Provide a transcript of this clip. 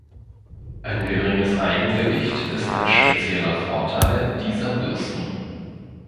Ein geringes Eigengewicht ist ein spezifischer Vorteil dieser Bürsten.